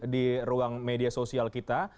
di ruang media sosial kita